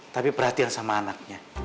tapi perhatian sama anaknya